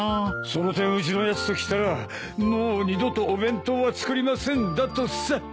その点うちのやつときたら「もう二度とお弁当は作りません」だとさ。